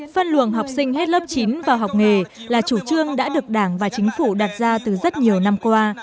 phân luồng học sinh hết lớp chín vào học nghề là chủ trương đã được đảng và chính phủ đặt ra từ rất nhiều năm qua